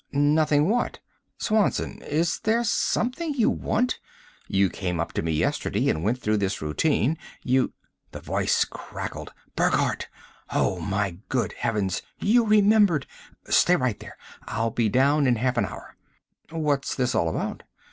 "Nothing what? Swanson, is there something you want? You came up to me yesterday and went through this routine. You " The voice crackled: "Burckhardt! Oh, my good heavens, you remember! Stay right there I'll be down in half an hour!" "What's this all about?"